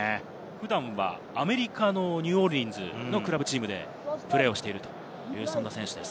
普段はアメリカのニューオーリンズのクラブでプレーをしている選手です。